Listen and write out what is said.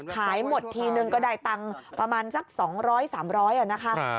ขายหมดทีนึงก็ได้ตังค์ประมาณสัก๒๐๐๓๐๐นะคะ